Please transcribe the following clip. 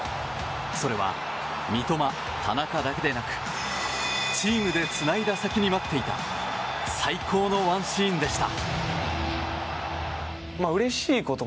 それは三笘、田中だけでなくチームでつないだ先に待っていた最高のワンシーンでした。